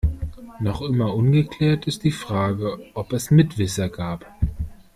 Noch immer ungeklärt ist die Frage, ob es Mitwisser gab.